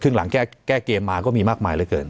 ซึ่งหลังแก้เกมมาก็มีมากมายเหลือเกิน